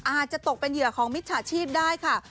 อาจจะตกเป็นเหยื่อของมิจฉาชีพได้ค่ะ